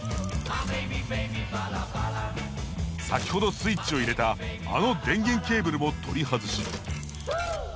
先ほどスイッチを入れたあの電源ケーブルも取り外し。